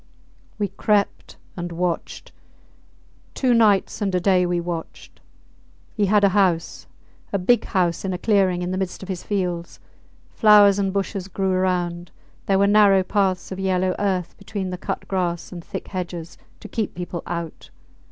... We crept and watched. Two nights and a day we watched. He had a house a big house in a clearing in the midst of his fields; flowers and bushes grew around; there were narrow paths of yellow earth between the cut grass, and thick hedges to keep people out.